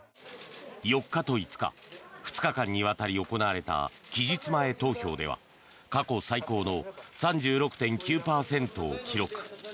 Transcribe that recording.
４日と５日２日間にわたり行われた期日前投票では過去最高の３６．９％を記録。